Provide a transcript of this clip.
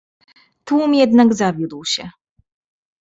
"Tłum jednak zawiódł się."